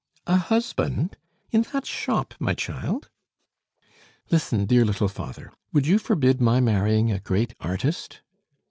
"A husband! In that shop, my child?" "Listen, dear little father; would you forbid my marrying a great artist?"